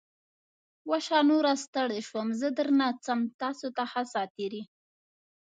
وشه. نوره ستړی شوم. زه درنه څم. تاسو ته ښه ساعتېری!